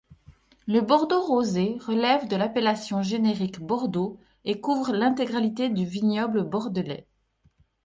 Le bordeaux rosé relève de l'appellation générique bordeaux et couvre l’intégralité du vignoble bordelais.